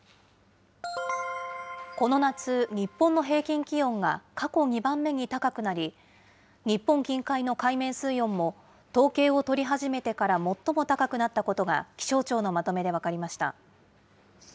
この夏、日本の平均気温が過去２番目に高くなり、日本近海の海面水温も統計を取り始めてから最も高くなったことが、気象庁のまとめで分かりました。